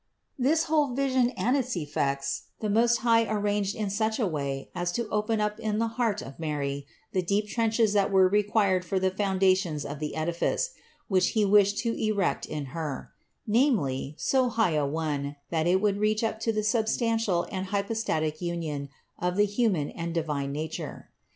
10. This whole vision and all its effects the Most High arranged in such a way as to open up in the heart of Mary the deep trenches that were required for the foundations THE INCARNATION 29 of the edifice, which He wished to erect in Her: namely so high a one, that it would reach up to the substantial and hypostatic union of the human and divine nature.